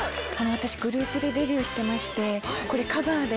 私グループでデビューしてましてこれカヴァーで。